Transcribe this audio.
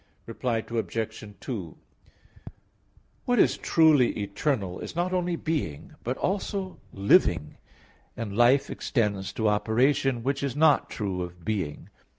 Reply Obj. 2: What is truly eternal, is not only being, but also living; and life extends to operation, which is not true of being.